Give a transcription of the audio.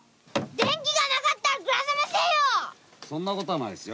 電気がなかったら暮せませんよ。